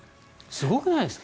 すごくないですか？